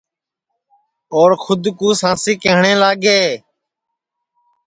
اور کھود کُو سانسی کہٹؔے لاگے